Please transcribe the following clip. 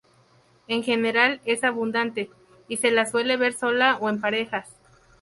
En general es abundante, y se la suele ver sola o en parejas.